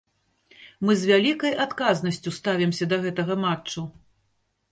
Мы з вялікай адказнасцю ставімся да гэтага матчу.